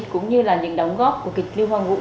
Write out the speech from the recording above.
cũng như là những đóng góp của kịch lưu quang vũ